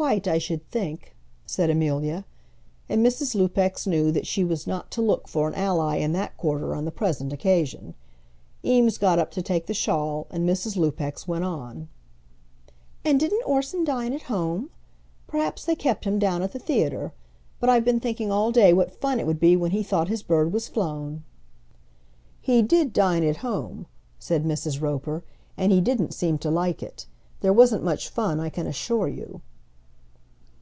"Quite, I should think," said Amelia. And Mrs. Lupex knew that she was not to look for an ally in that quarter on the present occasion. Eames got up to take the shawl, and Mrs. Lupex went on. "And didn't Orson dine at home? Perhaps they kept him down at the theatre. But I've been thinking all day what fun it would be when he thought his bird was flown." "He did dine at home," said Mrs. Roper; "and he didn't seem to like it. There wasn't much fun, I can assure you."